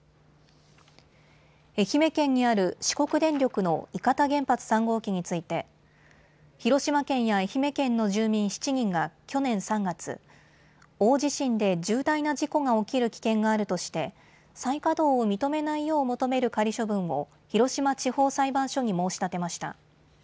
愛媛県にある四国電力の伊方原発３号機について広島県や愛媛県の住民７人が去年３月、大地震で重大な事故が起きる危険があるとして再稼働を認めないよう求める仮処分を広島地方裁判所に申し立てました。